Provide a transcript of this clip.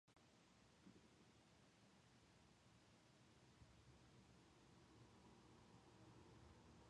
In "Mario and Luigi: Bowser's Inside Story", Fawful is voiced by Nami Funashima.